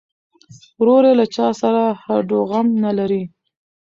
ورور یې له چا سره هډوغم نه لري.